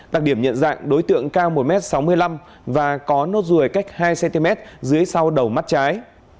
đặc điểm nhận dạng đối tượng cao một sáu mươi năm m và có nốt rùi cách hai cm dưới sau đầu mắt trái